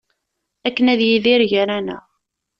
Akken ad yidir gar-aneɣ.